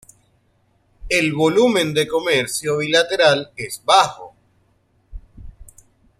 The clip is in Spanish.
El volumen de comercio bilateral es bajo.